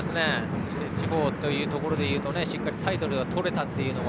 そして地方というところでいうとしっかりタイトルをとれたことは